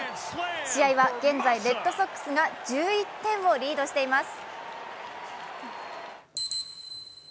試合は現在レッドソックスが１１点をリードしています。